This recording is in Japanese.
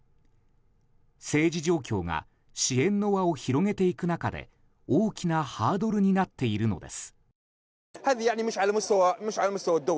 政治状況が支援の輪を広げていく中で大きなハードルになっているのです。